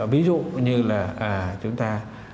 ví dụ như là chúng ta